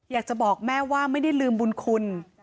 อยากจะบอกแม่ว่าไม่ได้ลืมบุญคุณ